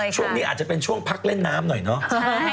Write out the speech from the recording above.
ช่วงนี้อาจจะเป็นช่วงพักเล่นน้ำหน่อยเนาะ